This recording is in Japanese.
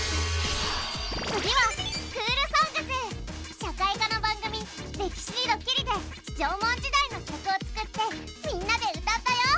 次は社会科の番組「歴史にドキリ」で縄文時代の曲を作ってみんなで歌ったよ。